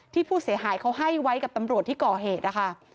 ที่ผู้เสียหายเขาให้ไว้กับตำรวจที่ก่อเหตุนะคะ